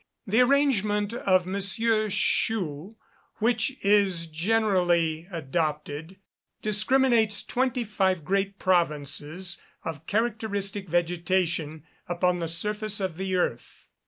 The arrangement of M. Schouw, which is usually adopted, discriminates twenty five great provinces of characteristic vegetation upon the surface of the earth.